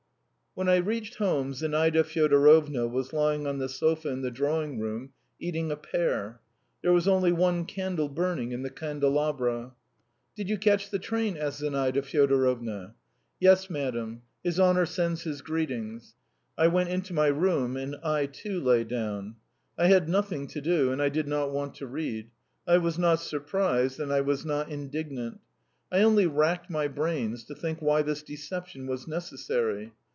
When I reached home Zinaida Fyodorovna was lying on the sofa in the drawing room, eating a pear. There was only one candle burning in the candelabra. "Did you catch the train?" asked Zinaida Fyodorovna. "Yes, madam. His honour sends his greetings." I went into my room and I, too, lay down. I had nothing to do, and I did not want to read. I was not surprised and I was not indignant. I only racked my brains to think why this deception was necessary.